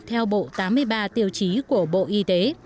theo bộ tám mươi ba tiêu chí của bộ y tế